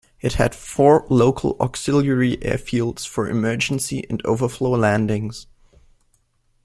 It had four local auxiliary airfields for emergency and overflow landings.